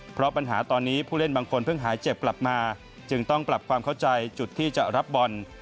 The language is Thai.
เพราะปัญหาตอนนี้ผู้เล่นบางคนเพิ่งหายเจ็บกลับมาจึงต้องปรับความเข้าใจจุดที่จะรับบอล